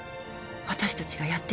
私たちがやってきた